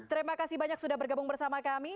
terima kasih banyak sudah bergabung bersama kami